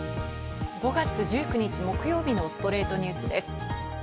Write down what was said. ５月１９日、木曜日の『ストレイトニュース』です。